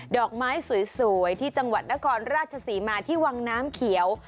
ดอกไม้สวยที่จังหวัดนครราชศรีมาที่วังน้ำเขียว